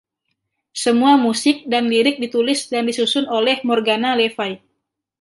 "Semua musik dan lirik ditulis dan disusun oleh: Morgana Lefay"